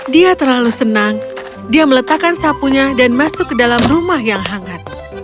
dia terlalu senang dia meletakkan sapunya dan masuk ke dalam rumah yang hangat